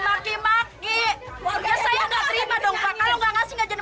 enggak gitu enggak dimaki maki